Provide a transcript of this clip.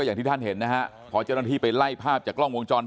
อย่างที่ท่านเห็นนะฮะพอเจ้าหน้าที่ไปไล่ภาพจากกล้องวงจร